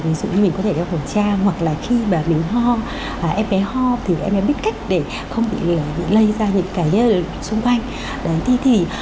ví dụ như mình có thể đeo khẩu trang hoặc là khi bà bính ho em bé ho thì em mới biết cách để không bị lây ra những cái xung quanh